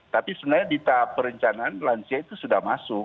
tapi sebenarnya di tahap perencanaan lansia itu sudah masuk